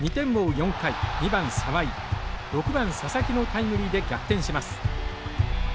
４回２番沢井６番佐々木のタイムリーで逆転します。